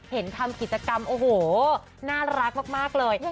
เห็นทำกิจกรรมโอ้โหน่ารักมากเลย